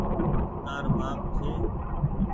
تآر ٻآپ ڇي۔